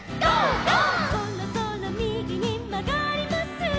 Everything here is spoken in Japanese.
「そろそろみぎにまがります」